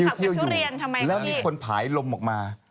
เที่ยวอยู่แล้วมีคนผายลมออกมา